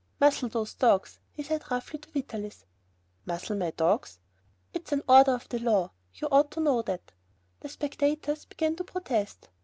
"Muzzle those dogs," he said roughly to Vitalis. "Muzzle my dogs!" "It's an order of the law, you ought to know that!" The spectators began to protest.